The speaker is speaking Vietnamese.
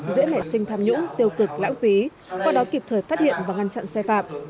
dễ lẻ sinh tham nhũng tiêu cực lãng phí qua đó kịp thời phát hiện và ngăn chặn xe phạm